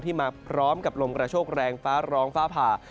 มาพร้อมกับลมกระโชคแรงฟ้าร้องฟ้าผ่า